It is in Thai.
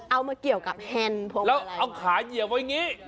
เอามาเกี่ยวกับแฮนด์ผมแล้วเอาขาเหยียบไว้อย่างนี้